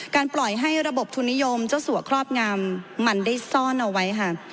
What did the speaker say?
ปล่อยให้ระบบทุนนิยมเจ้าสัวครอบงามมันได้ซ่อนเอาไว้ค่ะ